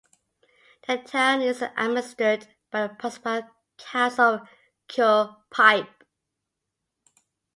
The town is administered by the Municipal Council of Curepipe.